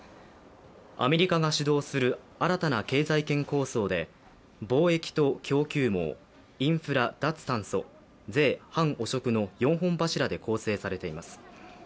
アメリカが主導する新たな経済圏構想で貿易と供給網インフラ・脱炭素、税・反汚職の４本柱で構成されています。